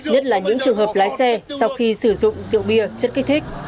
nhất là những trường hợp lái xe sau khi sử dụng rượu bia chất kích thích